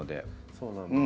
そうなんですよ。